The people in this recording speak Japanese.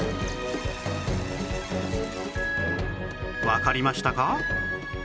わかりましたか？